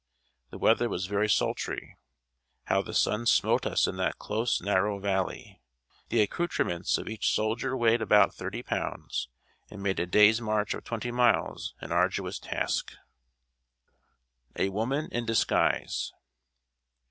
The weather was very sultry. How the sun smote us in that close, narrow valley! The accoutrement's of each soldier weighed about thirty pounds, and made a day's march of twenty miles an arduous task. [Sidenote: A WOMAN IN DISGUISE.